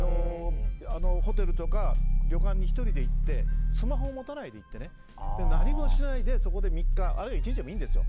ホテルとか、旅館に１人で行ってスマホを持たずに行って何もしないで、そこで３日、あるいは１日でもいいんですよ。